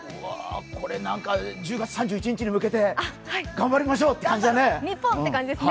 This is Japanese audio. これ、１０月３１日に向けて頑張りましょうって感じだね。